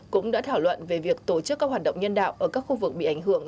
cũng đã thảo luận về việc tổ chức các hoạt động nhân đạo ở các khu vực bị ảnh hưởng